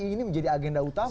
ini menjadi agenda utama